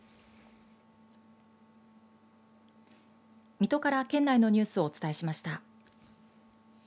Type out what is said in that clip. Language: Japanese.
水戸から県内のニュースをお伝えしました。